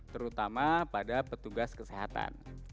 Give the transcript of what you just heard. terutama pada petugas kesehatan